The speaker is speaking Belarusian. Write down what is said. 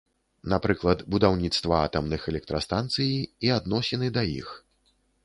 Напрыклад, будаўніцтва атамных электрастанцыі і адносіны да іх.